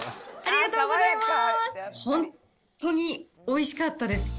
本当においしかったです。